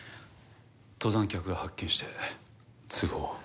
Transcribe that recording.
登山客が発見して通報を。